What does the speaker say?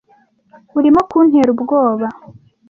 Urimo kuntera ubwoba.